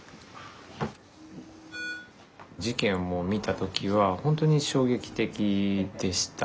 事件も見た時は本当に衝撃的でした。